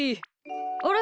あれ？